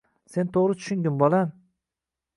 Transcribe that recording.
Sen to‘g‘ri tushungin, bolam